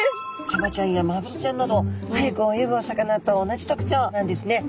サバちゃんやマグロちゃんなど速く泳ぐお魚と同じ特徴なんですね。